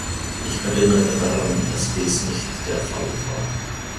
Ich erinnere daran, dass dies nicht der Fall war.